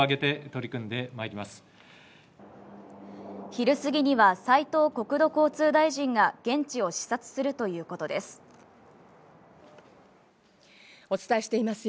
昼過ぎには斉藤国土交通大臣が現地を視察するということです。